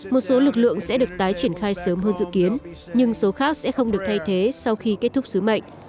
một số lực lượng sẽ được tái triển khai sớm hơn dự kiến nhưng số khác sẽ không được thay thế sau khi kết thúc sứ mệnh